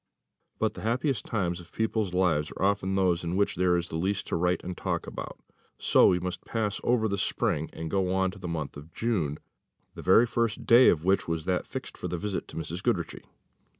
But the happiest times of people's lives are often those in which there is least to write and talk about; so we must pass over the spring, and go on to the month of June, the very first day of which was that fixed for the visit to Mrs. Goodriche.